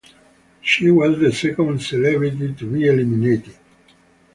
She was the second celebrity to be eliminated.